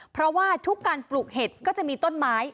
เพราะว่าทุกการปลูกเห็ดก็จะมีต้นไม้